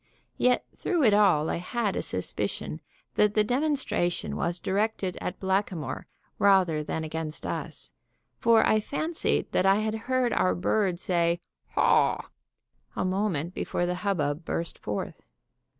Yet through it all I had a suspicion that the demonstration was directed at Blackamoor rather than against us; for I fancied that I had heard our bird say "Haw!" a moment before the hubbub burst forth.